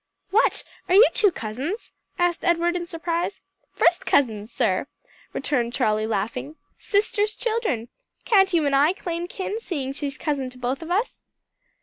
"What! are you two cousins?" asked Edward in surprise. "First cousins, sir," returned Charlie, laughing, "sisters' children. Can't you and I claim kin, seeing she's cousin to both of us?"